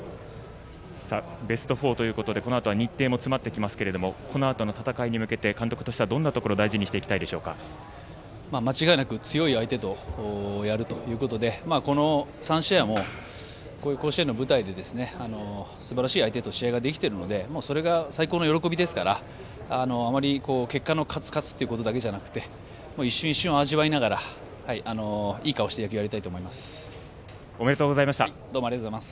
ベスト４ということでこのあと日程も詰まってきますけどこのあとの戦いに向けて監督としてはどんなところを間違いなく強い相手とやるということでこの３試合も甲子園の舞台ですばらしい相手と試合ができているのでそれが最高の喜びですからあまり結果の勝つ、勝つということだけじゃなくて一瞬一瞬を味わいながら、いい顔をしてやりたいと思います。